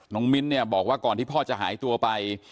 มิ้นเนี่ยบอกว่าก่อนที่พ่อจะหายตัวไป